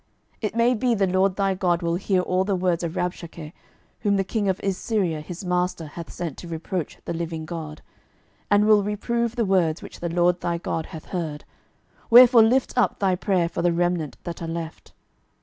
12:019:004 It may be the LORD thy God will hear all the words of Rabshakeh, whom the king of Assyria his master hath sent to reproach the living God; and will reprove the words which the LORD thy God hath heard: wherefore lift up thy prayer for the remnant that are left.